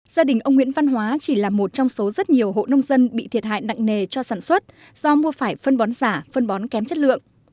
gia đình ông nguyễn văn hóa chỉ là một trong số rất nhiều hộ nông dân bị thiệt hại nặng nề cho sản xuất do mua phải phân bón giả phân bón kém chất lượng